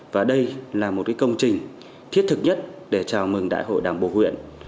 và đây là một công trình thiết thực nhất để chào mừng đại hội đảng bộ huyện